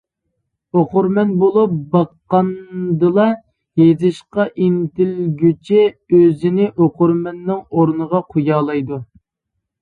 ئوقۇرمەن بولۇپ باققاندىلا يېزىشقا ئىنتىلگۈچى ئۆزىنى ئوقۇرمەننىڭ ئورنىغا قويالايدۇ.